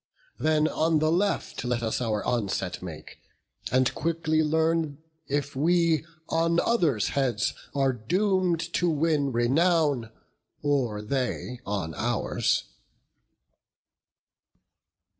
Then on the left let us our onset make; And quickly learn if we on others' heads Are doom'd to win renown, or they on ours."